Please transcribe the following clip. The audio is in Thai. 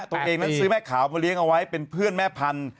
ตัวเองนั้นซื้อแม่ขาวมาเลี้ยงเอาไว้เป็นเพื่อนแม่พันธุ